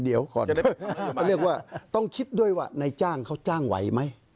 เดี๋ยวต้องคิดด้วยว่าในจ้างเขาจ้างไหวไหม